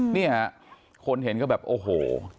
เนี่ยคนเห็นก็แบบโอ้โห